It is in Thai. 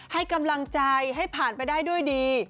ให้กำลังใจให้ผ่านไปได้ด้วยดี